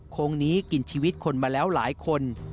โค้งนี้กินชีวิตคนมาแล้วหลายคน